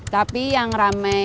tapi yang ramai